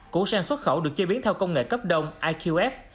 củ sen xuất khẩu được chế biến theo công nghệ cấp đông iqf